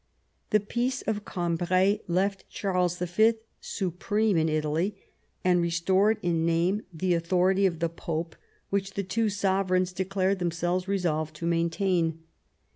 The peace of Cambrai left Charles V. supreme in Italy, and restored in name the authority of the Pope, which the two sovereigns declared themselves resolved to maintain.